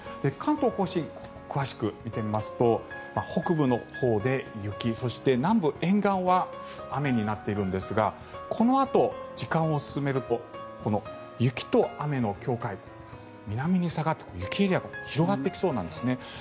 関東・甲信、詳しく見てみますと北部のほうで雪そして、南部沿岸は雨になっているんですがこのあと時間を進めると雪と雨の境界が南に下がって雪エリアが広がってきそうなんですね。